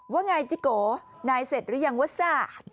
ว่าไงจิโกนายเสร็จหรือยังว่าศาสตร์